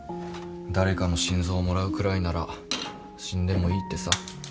誰かの心臓をもらうくらいなら死んでもいいってさ。